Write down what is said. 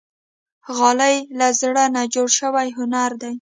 غالۍ له زړه نه جوړ شوی هنر دی.